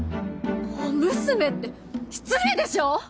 小娘って失礼でしょ！？